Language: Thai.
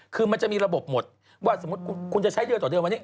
คือมันจะมีระบบหมดว่าสมมุติคุณจะใช้เดือนต่อเดือนวันนี้